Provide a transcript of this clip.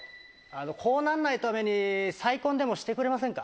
こうなんないために再婚でもしてくれませんか？